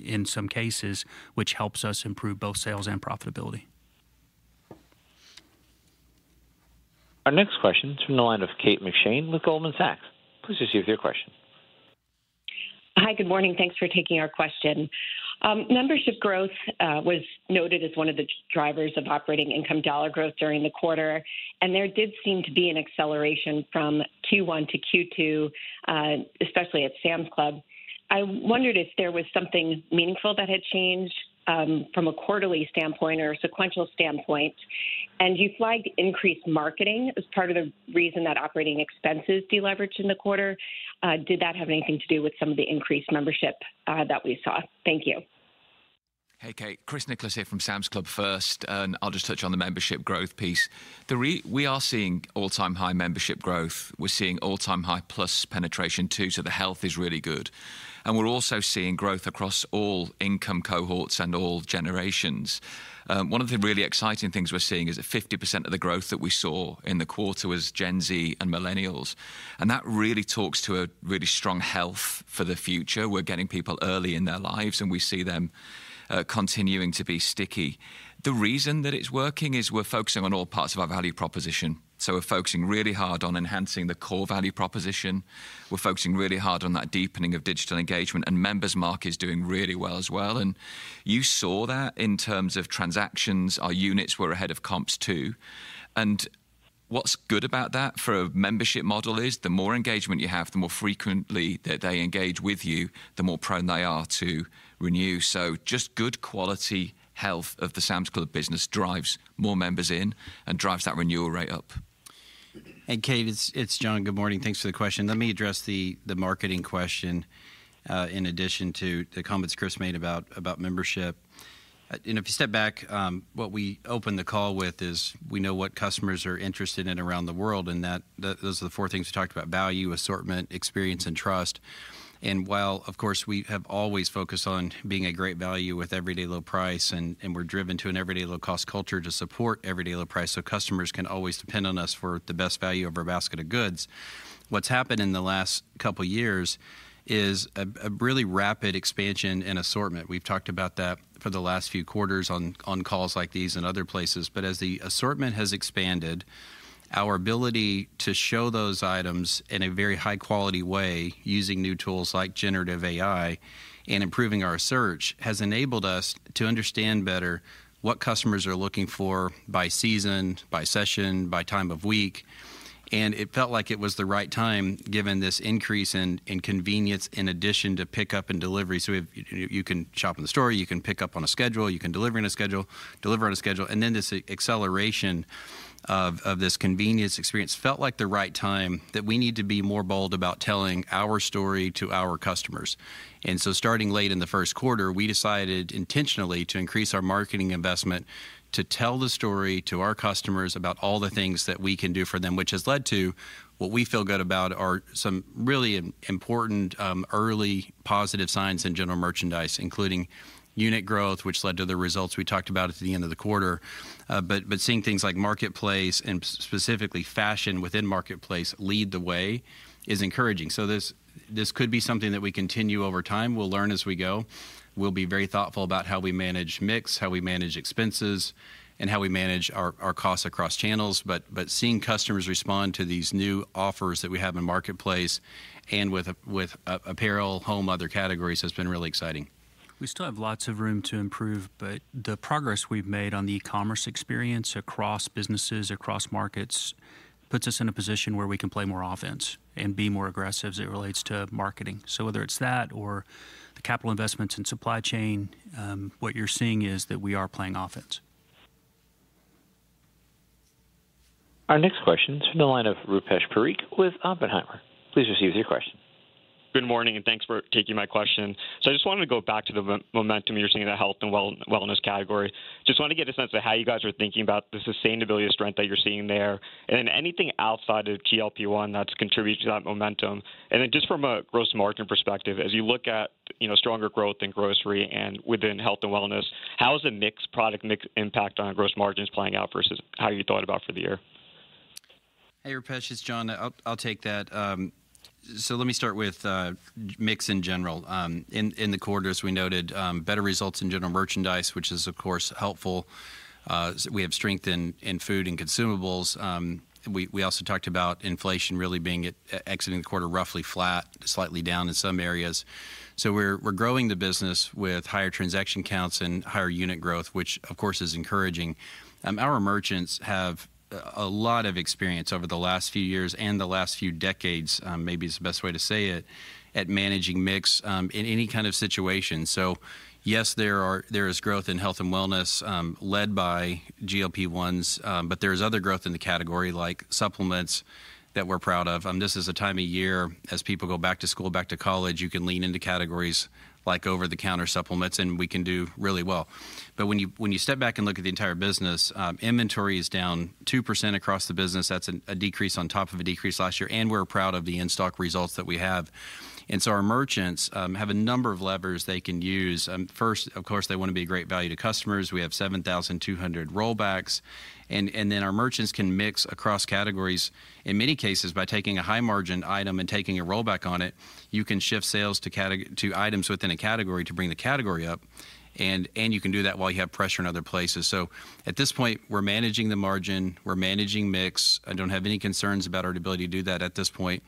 Speaker 3: in some cases, which helps us improve both sales and profitability.
Speaker 1: Our next question is from the line of Kate McShane with Goldman Sachs. Please proceed with your question.
Speaker 9: Hi, good morning, thanks for taking our question. Membership growth was noted as one of the drivers of operating income dollar growth during the quarter, and there did seem to be an acceleration from Q1 to Q2, especially at Sam's Club. I wondered if there was something meaningful that had changed from a quarterly standpoint or a sequential standpoint. You flagged increased marketing as part of the reason that operating expenses deleveraged in the quarter. Did that have anything to do with some of the increased membership that we saw? Thank you.
Speaker 8: Hey, Kate. Chris Nicholas here from Sam's Club first, and I'll just touch on the membership growth piece. We are seeing all-time high membership growth. We're seeing all-time high plus penetration, too, so the health is really good. And we're also seeing growth across all income cohorts and all generations. One of the really exciting things we're seeing is that 50% of the growth that we saw in the quarter was Gen Z and millennials, and that really talks to a really strong health for the future. We're getting people early in their lives, and we see them continuing to be sticky. The reason that it's working is we're focusing on all parts of our value proposition. So we're focusing really hard on enhancing the core value proposition. We're focusing really hard on that deepening of digital engagement, and Member's Mark is doing really well as well. And you saw that in terms of transactions. Our units were ahead of comps, too. And what's good about that for a membership model is, the more engagement you have, the more frequently that they engage with you, the more prone they are to renew. So just good quality health of the Sam's Club business drives more members in and drives that renewal rate up.
Speaker 7: Kate, it's John. Good morning. Thanks for the question. Let me address the marketing question in addition to the comments Chris made about membership. And if you step back, what we opened the call with is we know what customers are interested in around the world, and that, those are the four things we talked about: value, assortment, experience, and trust. And while, of course, we have always focused on being a great value with everyday low price, and we're driven to an everyday low-cost culture to support everyday low price, so customers can always depend on us for the best value of our basket of goods. What's happened in the last couple of years is a really rapid expansion in assortment. We've talked about that for the last few quarters on calls like these and other places. As the assortment has expanded, our ability to show those items in a very high-quality way, using new tools like generative AI and improving our search, has enabled us to understand better what customers are looking for by season, by session, by time of week. It felt like it was the right time, given this increase in, in convenience, in addition to pickup and delivery. If you can shop in the store, you can pick up on a schedule, you can deliver on a schedule, deliver on a schedule. Then this acceleration of, of this convenience experience felt like the right time, that we need to be more bold about telling our story to our customers. And so starting late in the first quarter, we decided intentionally to increase our marketing investment, to tell the story to our customers about all the things that we can do for them, which has led to what we feel good about are some really important early positive signs in general merchandise, including unit growth, which led to the results we talked about at the end of the quarter. But, but seeing things like Marketplace and specifically fashion within Marketplace lead the way is encouraging. So this, this could be something that we continue over time. We'll learn as we go. We'll be very thoughtful about how we manage mix, how we manage expenses, and how we manage our, our costs across channels. But seeing customers respond to these new offers that we have in Marketplace and with apparel, home, other categories, has been really exciting.
Speaker 3: We still have lots of room to improve, but the progress we've made on the e-commerce experience across businesses, across markets, puts us in a position where we can play more offense and be more aggressive as it relates to marketing. So whether it's that or the capital investments in supply chain, what you're seeing is that we are playing offense.
Speaker 1: Our next question is from the line of Rupesh Parikh with Oppenheimer. Please receive your question.
Speaker 10: Good morning, and thanks for taking my question. So I just wanted to go back to the momentum you're seeing in the Health & Wellness category. Just wanted to get a sense of how you guys are thinking about the sustainability and strength that you're seeing there, and then anything outside of GLP-1 that's contributing to that momentum? And then just from a gross margin perspective, as you look at, you know, stronger growth in grocery and within Health & Wellness, how is the mix, product mix impact on gross margins playing out versus how you thought about for the year?
Speaker 7: Hey, Rupesh, it's John. I'll take that. So let me start with mix in general. In the quarters, we noted better results in general merchandise, which is, of course, helpful. We have strength in food and consumables. We also talked about inflation really being at exiting the quarter roughly flat, slightly down in some areas. So we're growing the business with higher transaction counts and higher unit growth, which of course, is encouraging. Our merchants have a lot of experience over the last few years and the last few decades, maybe is the best way to say it, at managing mix in any kind of situation. So yes, there is growth in Health & Wellness, led by GLP-1s, but there's other growth in the category, like supplements, that we're proud of. This is a time of year, as people go Back to School, Back to College, you can lean into categories like over-the-counter supplements, and we can do really well. But when you step back and look at the entire business, inventory is down 2% across the business. That's a decrease on top of a decrease last year, and we're proud of the in-stock results that we have. So our merchants have a number of levers they can use. First, of course, they wanna be a great value to customers. We have 7,200 rollbacks, and then our merchants can mix across categories. In many cases, by taking a high-margin item and taking a rollback on it, you can shift sales to items within a category to bring the category up, and, and you can do that while you have pressure in other places. So at this point, we're managing the margin, we're managing mix. I don't have any concerns about our ability to do that at this point.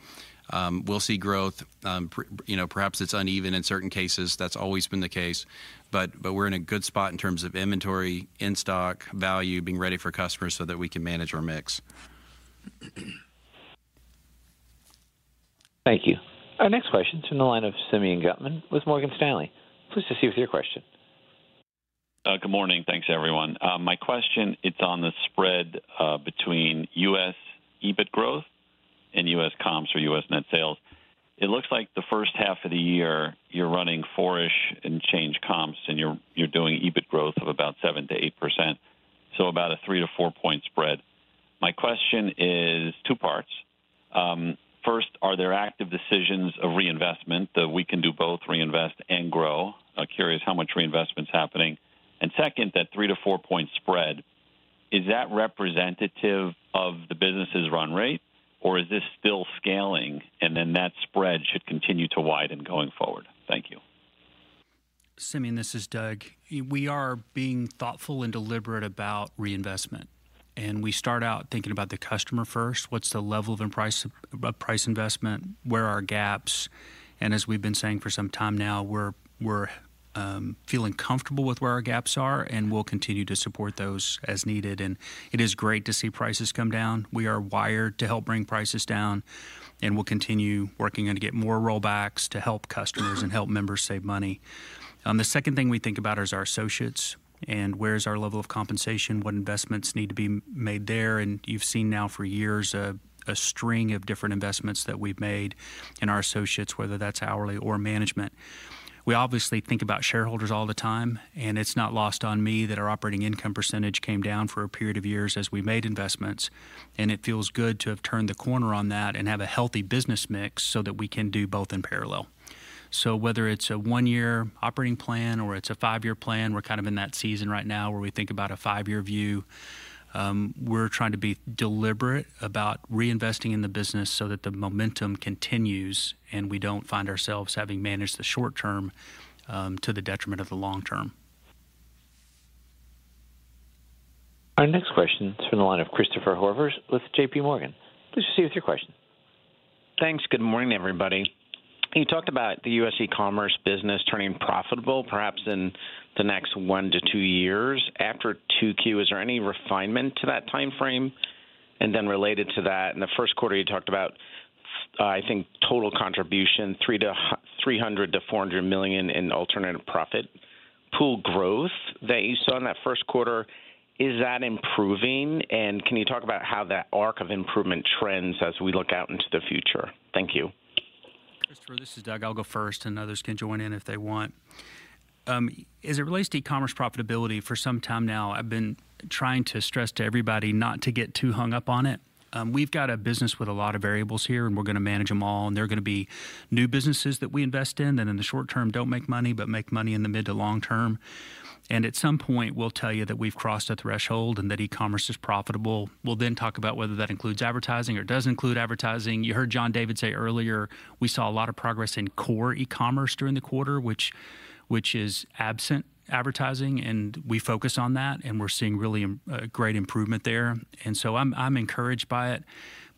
Speaker 7: We'll see growth. You know, perhaps it's uneven in certain cases. That's always been the case, but, but we're in a good spot in terms of inventory, in-stock, value, being ready for customers so that we can manage our mix.
Speaker 1: Thank you. Our next question is from the line of Simeon Gutman with Morgan Stanley. Please proceed with your question.
Speaker 11: Good morning. Thanks, everyone. My question, it's on the spread between U.S. EBIT growth and U.S. comps or U.S. net sales. It looks like the first half of the year, you're running four-ish and change comps, and you're doing EBIT growth of about 7%-8%, so about a 3- to 4-point spread. My question is two parts. First, are there active decisions of reinvestment that we can do both reinvest and grow? I'm curious how much reinvestment's happening. Second, that 3- to 4-point spread, is that representative of the business's run rate, or is this still scaling, and then that spread should continue to widen going forward? Thank you.
Speaker 3: Simeon, this is Doug. We are being thoughtful and deliberate about reinvestment, and we start out thinking about the customer first. What's the level of in price, price investment? Where are our gaps? And as we've been saying for some time now, we're feeling comfortable with where our gaps are, and we'll continue to support those as needed. And it is great to see prices come down. We are wired to help bring prices down, and we'll continue working on to get more rollbacks to help customers and help members save money. The second thing we think about is our associates and where is our level of compensation, what investments need to be made there, and you've seen now for years a string of different investments that we've made in our associates, whether that's hourly or management. We obviously think about shareholders all the time, and it's not lost on me that our operating income percentage came down for a period of years as we made investments, and it feels good to have turned the corner on that and have a healthy business mix so that we can do both in parallel. So whether it's a one-year operating plan or it's a five-year plan, we're kind of in that season right now where we think about a five-year view. We're trying to be deliberate about reinvesting in the business so that the momentum continues, and we don't find ourselves having managed the short term, to the detriment of the long term.
Speaker 1: Our next question is from the line of Christopher Horvers with JPMorgan. Please proceed with your question.
Speaker 12: Thanks. Good morning, everybody. You talked about the U.S. e-commerce business turning profitable, perhaps in the next 1-2 years. After 2Q, is there any refinement to that timeframe? And then related to that, in the first quarter, you talked about, I think, total contribution, $300 million-$400 million in alternative profit pool growth that you saw in that first quarter, is that improving? And can you talk about how that arc of improvement trends as we look out into the future? Thank you.
Speaker 3: Christopher, this is Doug. I'll go first, and others can join in if they want. As it relates to e-commerce profitability, for some time now, I've been trying to stress to everybody not to get too hung up on it. We've got a business with a lot of variables here, and we're gonna manage them all, and they're gonna be new businesses that we invest in, and in the short term, don't make money, but make money in the mid to long term. At some point, we'll tell you that we've crossed a threshold and that e-commerce is profitable. We'll then talk about whether that includes advertising or doesn't include advertising. You heard John David say earlier, we saw a lot of progress in core e-commerce during the quarter, which is absent advertising, and we focus on that, and we're seeing really a great improvement there. And so I'm encouraged by it.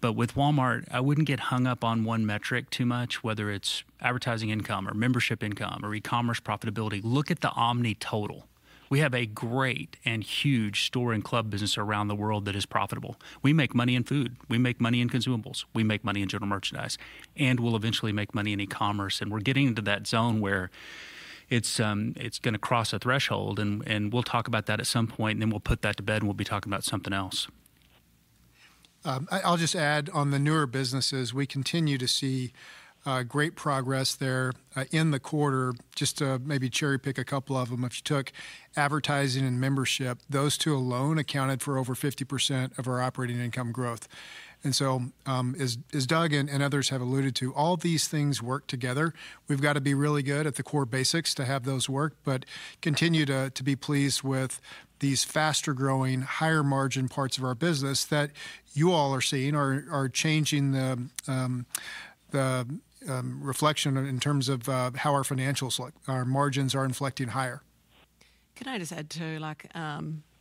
Speaker 3: But with Walmart, I wouldn't get hung up on one metric too much, whether it's advertising income or membership income or e-commerce profitability. Look at the omni total. We have a great and huge store and club business around the world that is profitable. We make money in food, we make money in consumables, we make money in general merchandise, and we'll eventually make money in e-commerce, and we're getting into that zone where it's gonna cross a threshold, and we'll talk about that at some point, and then we'll put that to bed, and we'll be talking about something else.
Speaker 4: I’ll just add on the newer businesses, we continue to see great progress there in the quarter. Just to maybe cherry-pick a couple of them, if you took advertising and membership, those two alone accounted for over 50% of our operating income growth. And so, as Doug and others have alluded to, all these things work together. We’ve got to be really good at the core basics to have those work, but continue to be pleased with these faster-growing, higher-margin parts of our business that you all are seeing are changing the reflection in terms of how our financials look. Our margins are inflecting higher.
Speaker 13: Can I just add, too? Like,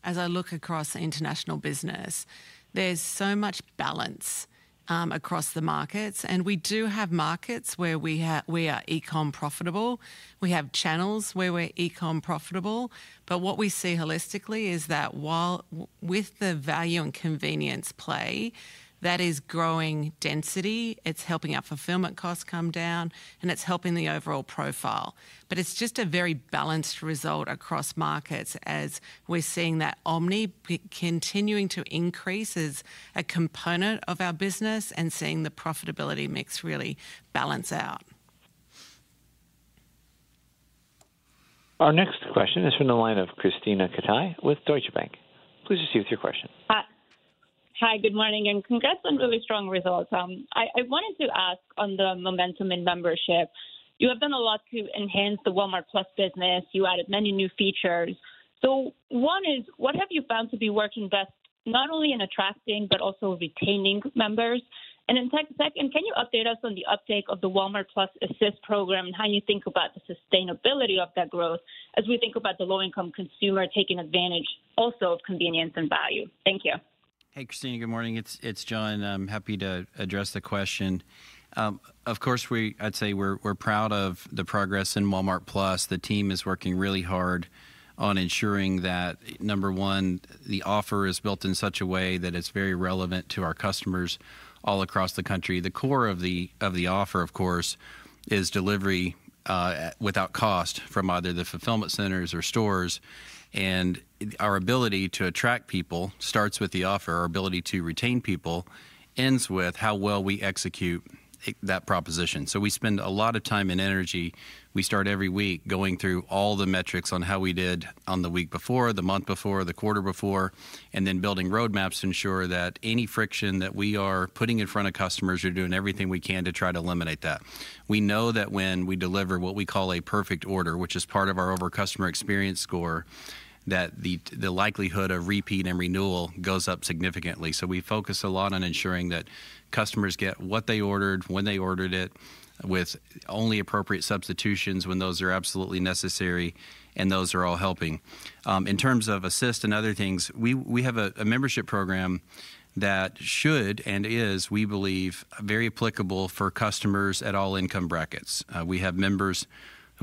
Speaker 13: as I look across the international business, there's so much balance across the markets, and we do have markets where we are e-com profitable. We have channels where we're e-com profitable, but what we see holistically is that while with the value and convenience play, that is growing density, it's helping our fulfillment costs come down, and it's helping the overall profile. But it's just a very balanced result across markets, as we're seeing that omni continuing to increase as a component of our business and seeing the profitability mix really balance out.
Speaker 1: Our next question is from the line of Krisztina Katai with Deutsche Bank. Please proceed with your question.
Speaker 14: Hi. Hi, good morning, and congrats on really strong results. I wanted to ask on the momentum in membership, you have done a lot to enhance the Walmart+ business. You added many new features. So one is: What have you found to be working best, not only in attracting, but also retaining members? And then second, can you update us on the uptake of the Walmart+ Assist program and how you think about the sustainability of that growth as we think about the low-income consumer taking advantage also of convenience and value? Thank you.
Speaker 7: Hey, Krisztina, good morning. It's John. I'm happy to address the question. Of course, we, I'd say we're proud of the progress in Walmart+. The team is working really hard on ensuring that, number one, the offer is built in such a way that it's very relevant to our customers all across the country. The core of the offer, of course, is delivery without cost from either the fulfillment centers or stores, and our ability to attract people starts with the offer. Our ability to retain people ends with how well we execute that proposition. So we spend a lot of time and energy. We start every week going through all the metrics on how we did on the week before, the month before, the quarter before, and then building roadmaps to ensure that any friction that we are putting in front of customers, we're doing everything we can to try to eliminate that. We know that when we deliver what we call a perfect order, which is part of our overall customer experience score, that the likelihood of repeat and renewal goes up significantly. So we focus a lot on ensuring that customers get what they ordered, when they ordered it, with only appropriate substitutions when those are absolutely necessary, and those are all helping. In terms of Assist and other things, we have a membership program that should and is, we believe, very applicable for customers at all income brackets. We have members who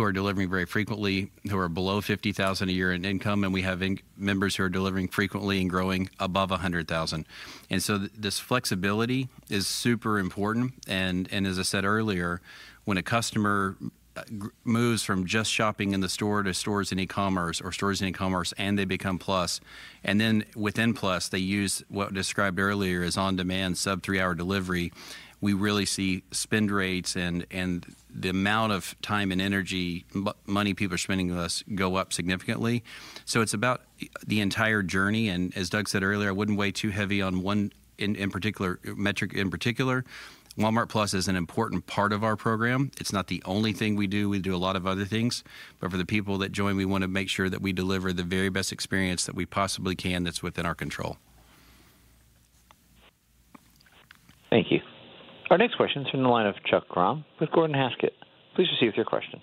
Speaker 7: are delivering very frequently, who are below $50,000 a year in income, and we have members who are delivering frequently and growing above $100,000. And so this flexibility is super important, and, and as I said earlier, when a customer moves from just shopping in the store to stores and e-commerce or stores and e-commerce, and they become Plus, and then within Plus, they use what described earlier as on-demand, sub-3-hour delivery, we really see spend rates and, and the amount of time and energy, money people are spending with us go up significantly. So it's about the entire journey, and as Doug said earlier, I wouldn't weigh too heavy on one in particular, metric in particular. Walmart+ is an important part of our program. It's not the only thing we do. We do a lot of other things, but for the people that join, we want to make sure that we deliver the very best experience that we possibly can that's within our control.
Speaker 1: Thank you. Our next question is from the line of Chuck Grom with Gordon Haskett. Please proceed with your question.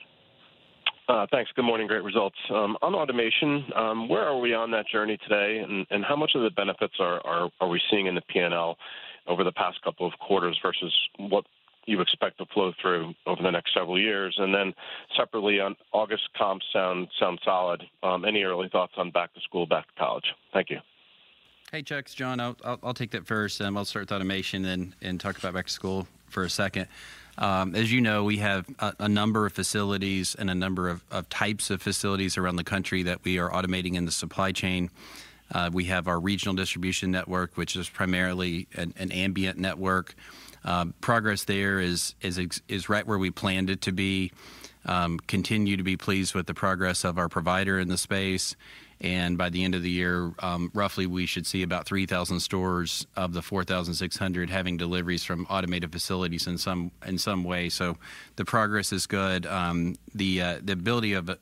Speaker 15: Thanks. Good morning, great results. On automation, where are we on that journey today? And how much of the benefits are we seeing in the P&L over the past couple of quarters versus what you expect to flow through over the next several years? And then separately, on August comps sound solid. Any early thoughts on back to school, back to college? Thank you.
Speaker 7: Hey, Chuck, it's John. I'll take that first, and I'll start with automation and talk about back to school for a second. As you know, we have a number of facilities and a number of types of facilities around the country that we are automating in the supply chain. We have our regional distribution network, which is primarily an ambient network. Progress there is right where we planned it to be. Continue to be pleased with the progress of our provider in the space, and by the end of the year, roughly, we should see about 3,000 stores of the 4,600 having deliveries from automated facilities in some way. So the progress is good. The ability of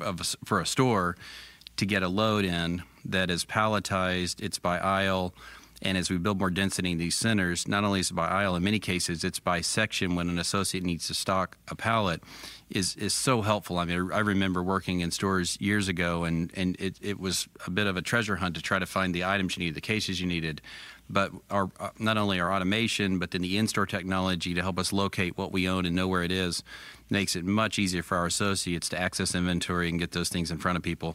Speaker 7: a store to get a load in that is palletized, it's by aisle, and as we build more density in these centers, not only is it by aisle, in many cases, it's by section, when an associate needs to stock a pallet, is so helpful. I mean, I remember working in stores years ago, and it was a bit of a treasure hunt to try to find the items you needed, the cases you needed. But not only our automation, but then the in-store technology to help us locate what we own and know where it is, makes it much easier for our associates to access inventory and get those things in front of people.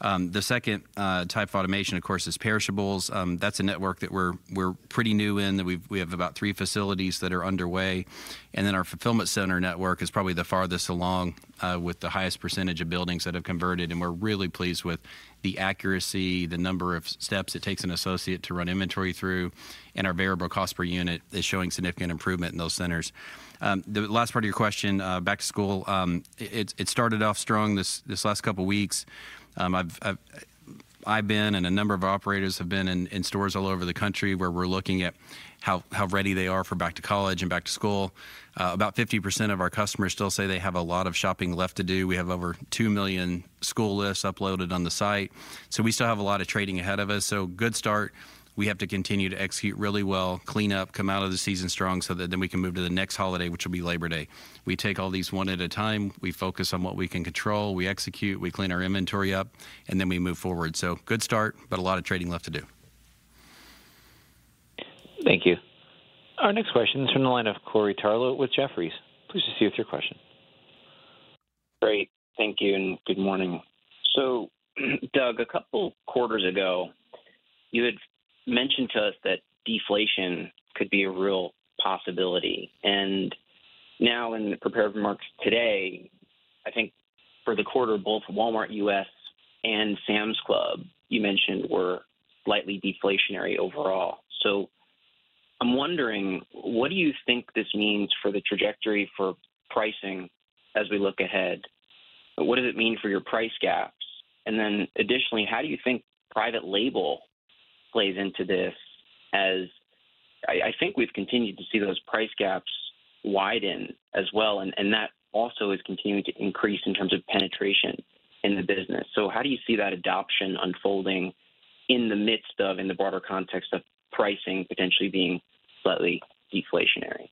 Speaker 7: The second type of automation, of course, is perishables. That's a network that we're pretty new in, that we have about three facilities that are underway, and then our fulfillment center network is probably the farthest along, with the highest percentage of buildings that have converted, and we're really pleased with the accuracy, the number of steps it takes an associate to run inventory through, and our variable cost per unit is showing significant improvement in those centers. The last part of your question, back to school, it started off strong this last couple weeks. I've been, and a number of operators have been in stores all over the country, where we're looking at how ready they are for back to college and back to school. About 50% of our customers still say they have a lot of shopping left to do. We have over 2 million school lists uploaded on the site, so we still have a lot of trading ahead of us. So good start. We have to continue to execute really well, clean up, come out of the season strong, so that then we can move to the next holiday, which will be Labor Day. We take all these one at a time. We focus on what we can control. We execute, we clean our inventory up, and then we move forward. So good start, but a lot of trading left to do.
Speaker 1: Thank you. Our next question is from the line of Corey Tarlowe with Jefferies. Please proceed with your question.
Speaker 16: Great. Thank you, and good morning. So, Doug, a couple quarters ago, you had mentioned to us that deflation could be a real possibility, and now in the prepared remarks today, I think for the quarter, both Walmart U.S. and Sam's Club, you mentioned, were slightly deflationary overall. So I'm wondering: What do you think this means for the trajectory for pricing as we look ahead? What does it mean for your price gaps? And then additionally, how do you think private label plays into this, as I, I think we've continued to see those price gaps widen as well, and, and that also is continuing to increase in terms of penetration in the business. So how do you see that adoption unfolding in the midst of, in the broader context of pricing potentially being slightly deflationary?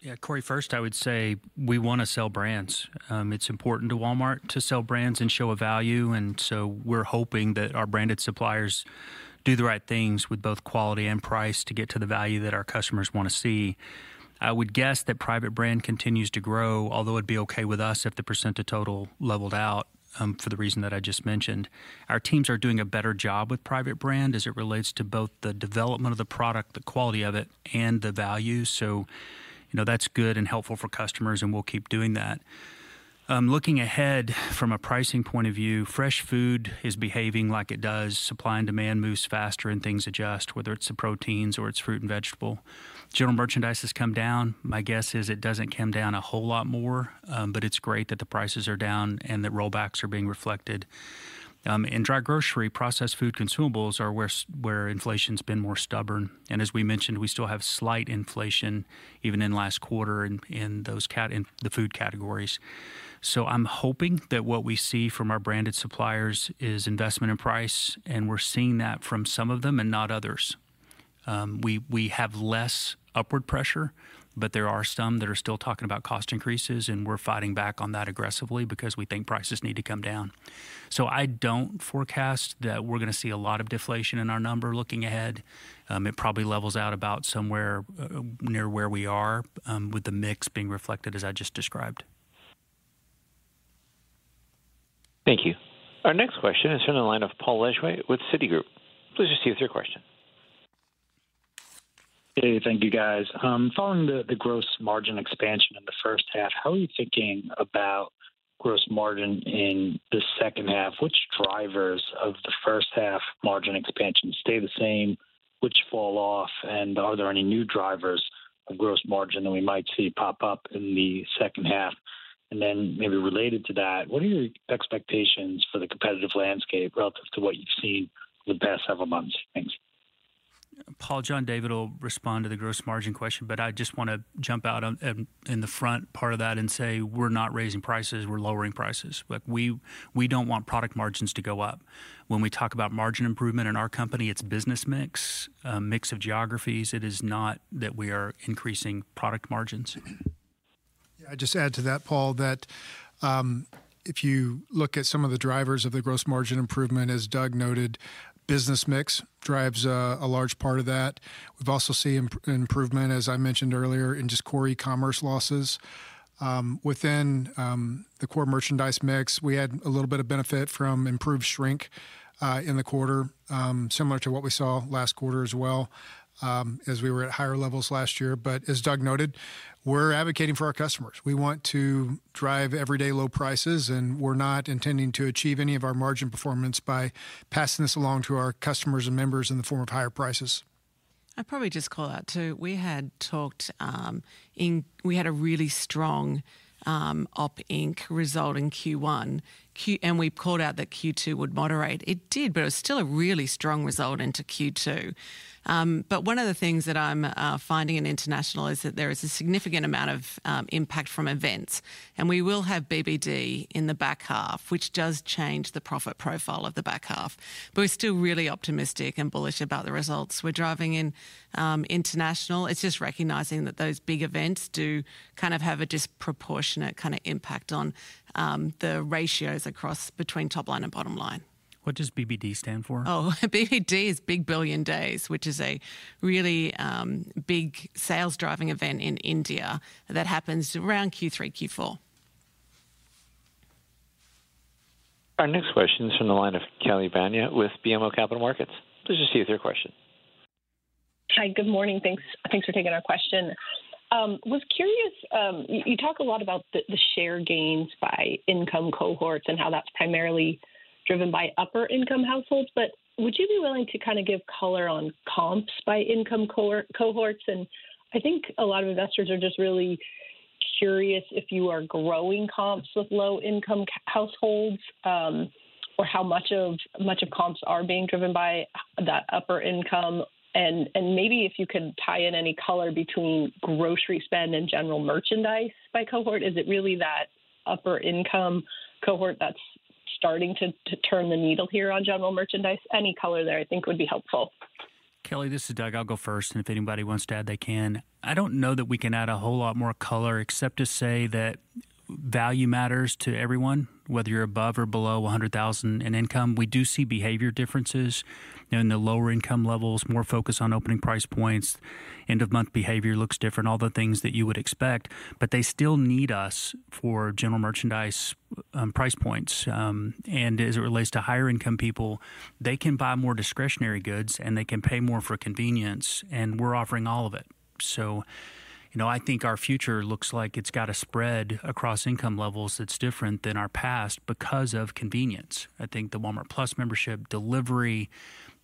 Speaker 3: Yeah, Corey, first, I would say we wanna sell brands. It's important to Walmart to sell brands and show a value, and so we're hoping that our branded suppliers do the right things with both quality and price to get to the value that our customers wanna see. I would guess that private brand continues to grow, although it'd be okay with us if the percent of total leveled out, for the reason that I just mentioned. Our teams are doing a better job with private brand as it relates to both the development of the product, the quality of it, and the value. So, you know, that's good and helpful for customers, and we'll keep doing that. Looking ahead, from a pricing point of view, fresh food is behaving like it does. Supply and demand moves faster and things adjust, whether it's the proteins or it's fruit and vegetable. General merchandise has come down. My guess is it doesn't come down a whole lot more, but it's great that the prices are down and that rollbacks are being reflected. In dry grocery, processed food consumables are where inflation's been more stubborn, and as we mentioned, we still have slight inflation, even in last quarter, in those food categories. So I'm hoping that what we see from our branded suppliers is investment in price, and we're seeing that from some of them and not others. We have less upward pressure, but there are some that are still talking about cost increases, and we're fighting back on that aggressively because we think prices need to come down. So I don't forecast that we're gonna see a lot of deflation in our number looking ahead. It probably levels out about somewhere near where we are, with the mix being reflected as I just described.
Speaker 1: Thank you. Our next question is from the line of Paul Lejuez with Citigroup. Please proceed with your question.
Speaker 17: Hey, thank you, guys. Following the gross margin expansion in the first half, how are you thinking about gross margin in the second half? Which drivers of the first half margin expansion stay the same, which fall off, and are there any new drivers of gross margin that we might see pop up in the second half? And then maybe related to that, what are your expectations for the competitive landscape relative to what you've seen over the past several months? Thanks.
Speaker 3: Paul, John David will respond to the gross margin question, but I just wanna jump out on in the front part of that and say we're not raising prices, we're lowering prices. Look, we don't want product margins to go up. When we talk about margin improvement in our company, it's business mix, mix of geographies. It is not that we are increasing product margins.
Speaker 4: Yeah, I'd just add to that, Paul, that if you look at some of the drivers of the gross margin improvement, as Doug noted, business mix drives a large part of that. We've also seen improvement, as I mentioned earlier, in just core e-commerce losses. Within the core merchandise mix, we had a little bit of benefit from improved shrink in the quarter, similar to what we saw last quarter as well, as we were at higher levels last year. But as Doug noted, we're advocating for our customers. We want to drive everyday low prices, and we're not intending to achieve any of our margin performance by passing this along to our customers and members in the form of higher prices.
Speaker 13: I'd probably just call out, too. We had talked. We had a really strong OpInc result in Q1. And we called out that Q2 would moderate. It did, but it was still a really strong result into Q2. But one of the things that I'm finding in international is that there is a significant amount of impact from events, and we will have BBD in the back half, which does change the profit profile of the back half. But we're still really optimistic and bullish about the results we're driving in international. It's just recognizing that those big events do kind of have a disproportionate kinda impact on the ratios across between top line and bottom line.
Speaker 3: What does BBD stand for?
Speaker 13: Oh, BBD is Big Billion Days, which is a really, big sales-driving event in India that happens around Q3, Q4.
Speaker 1: Our next question is from the line of Kelly Bania with BMO Capital Markets. Please proceed with your question.
Speaker 18: Hi, good morning. Thanks, thanks for taking our question. I was curious, you talk a lot about the share gains by income cohorts and how that's primarily driven by upper income households, but would you be willing to kinda give color on comps by income cohort? And I think a lot of investors are just really curious if you are growing comps with low-income households, or how much of comps are being driven by that upper income, and maybe if you can tie in any color between grocery spend and general merchandise by cohort. Is it really that upper-income cohort that's starting to turn the needle here on general merchandise? Any color there, I think, would be helpful.
Speaker 3: Kelly, this is Doug. I'll go first, and if anybody wants to add, they can. I don't know that we can add a whole lot more color except to say that value matters to everyone, whether you're above or below 100,000 in income. We do see behavior differences in the lower income levels, more focus on opening price points. End-of-month behavior looks different, all the things that you would expect, but they still need us for general merchandise, price points. And as it relates to higher income people, they can buy more discretionary goods, and they can pay more for convenience, and we're offering all of it. So, you know, I think our future looks like it's got a spread across income levels that's different than our past because of convenience. I think the Walmart+ membership, delivery,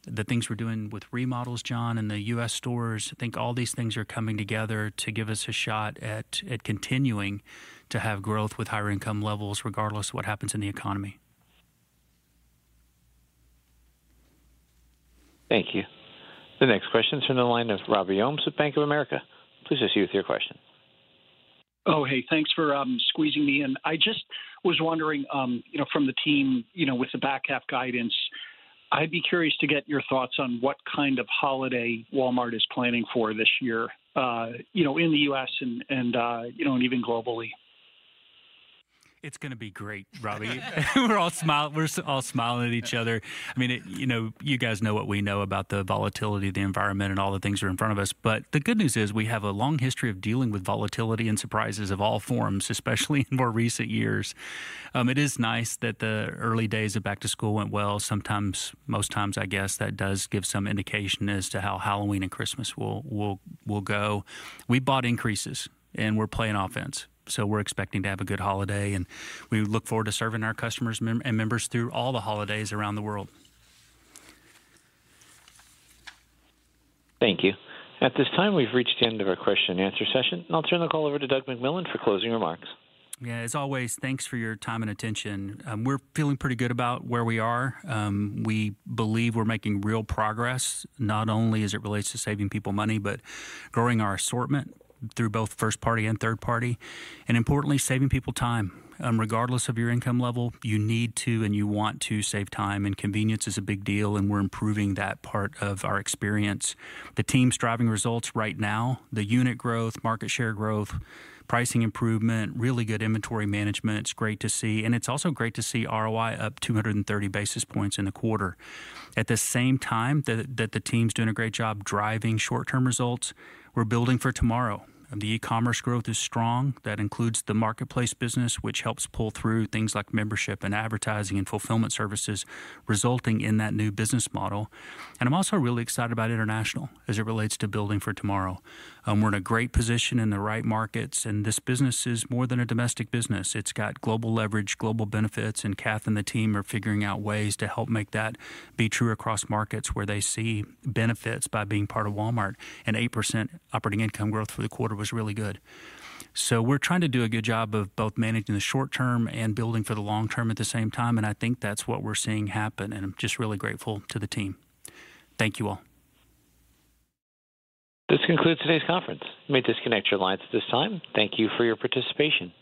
Speaker 3: the things we're doing with remodels, John, in the U.S. stores, I think all these things are coming together to give us a shot at continuing to have growth with higher income levels, regardless of what happens in the economy.
Speaker 1: Thank you. The next question is from the line of Robbie Ohmes of Bank of America. Please assist with your question.
Speaker 19: Oh, hey, thanks for squeezing me in. I just was wondering, you know, from the team, you know, with the back half guidance, I'd be curious to get your thoughts on what kind of holiday Walmart is planning for this year, you know, in the U.S. and, and, you know, and even globally.
Speaker 3: It's gonna be great, Robbie. We're all smiling. We're all smiling at each other. I mean, it, you know, you guys know what we know about the volatility of the environment and all the things that are in front of us. But the good news is, we have a long history of dealing with volatility and surprises of all forms, especially in more recent years. It is nice that the early days of back to school went well. Sometimes, most times, I guess, that does give some indication as to how Halloween and Christmas will go. We bought increases, and we're playing offense, so we're expecting to have a good holiday, and we look forward to serving our customers and members through all the holidays around the world.
Speaker 1: Thank you. At this time, we've reached the end of our question-and-answer session. I'll turn the call over to Doug McMillon for closing remarks.
Speaker 3: Yeah, as always, thanks for your time and attention. We're feeling pretty good about where we are. We believe we're making real progress, not only as it relates to saving people money, but growing our assortment through both first party and third party, and importantly, saving people time. Regardless of your income level, you need to and you want to save time, and convenience is a big deal, and we're improving that part of our experience. The team's driving results right now, the unit growth, market share growth, pricing improvement, really good inventory management. It's great to see, and it's also great to see ROI up 230 basis points in the quarter. At the same time, that the team's doing a great job driving short-term results, we're building for tomorrow. The e-commerce growth is strong. That includes the marketplace business, which helps pull through things like membership and advertising and fulfillment services, resulting in that new business model. I'm also really excited about international as it relates to building for tomorrow. We're in a great position in the right markets, and this business is more than a domestic business. It's got global leverage, global benefits, and Kath and the team are figuring out ways to help make that be true across markets where they see benefits by being part of Walmart, and 8% operating income growth for the quarter was really good. So we're trying to do a good job of both managing the short term and building for the long term at the same time, and I think that's what we're seeing happen, and I'm just really grateful to the team. Thank you all.
Speaker 1: This concludes today's conference. You may disconnect your lines at this time. Thank you for your participation.